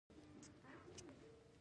ایا ستاسو بالښت به ارام نه وي؟